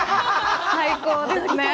最高ですね。